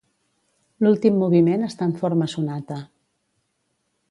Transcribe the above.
L'últim moviment està en forma sonata.